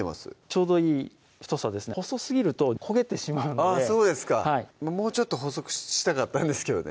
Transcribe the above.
ちょうどいい太さですね細すぎると焦げてしまうのでそうですかもうちょっと細くしたかったんですけどね